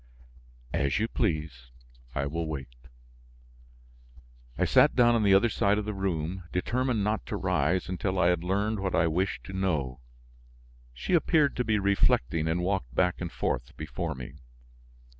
"As you please; I will wait." I sat down on the other side of the room determined not to rise until I had learned what I wished to know. She appeared to be reflecting and walked back and forth before me.